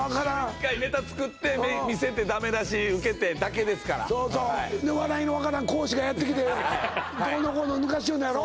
１回ネタ作って見せてダメ出し受けてだけですからそうそうで笑いの分からん講師がやってきてどうのこうのぬかしよんのやろ？